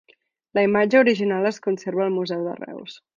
La imatge original es conserva al Museu de Reus.